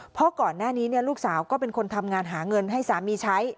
เพราะก่อนหน้านี้ลูกสาวก็เป็นคนทำงานหาเงินให้สามีใช้